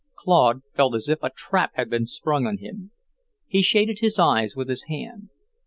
Claude felt as if a trap had been sprung on him. He shaded his eyes with his hand.